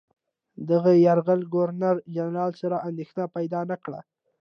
دغه یرغل ګورنرجنرال سره اندېښنه پیدا نه کړه.